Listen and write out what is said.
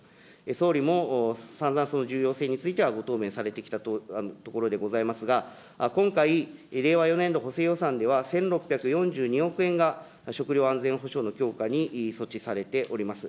総理もさんざん、その重要性についてもご答弁されてきたところでございますが、今回、令和４年度補正予算では、１６４２億円が食料安全保障の強化に措置されております。